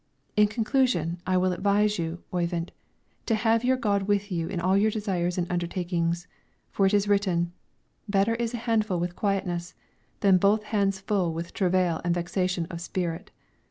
In conclusion, I will advise you, Oyvind, to have your God with you in all your desires and undertakings, for it is written: "Better is an handful with quietness, than both the hands full with travail and vexation of spirit."